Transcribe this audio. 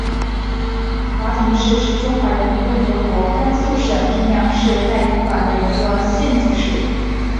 华亭市是中华人民共和国甘肃省平凉市代管的一个县级市。